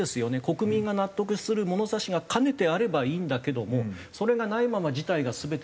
国民が納得する物差しが兼ねてあればいいんだけどもそれがないまま事態が全て進んでいて。